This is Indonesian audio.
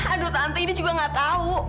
aduh tante ini juga gak tahu